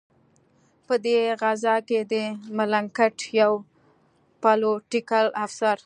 په دې غزا کې د ملکنډ یو پلوټیکل افسر.